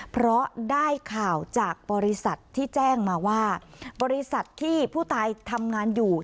เพราะได้ข่าวจากบริษัทที่แจ้งมาว่าบริษัทที่ผู้ตายทำงานอยู่